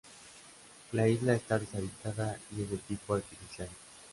La isla está deshabitada y es de tipo artificial.